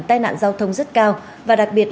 tai nạn giao thông rất cao và đặc biệt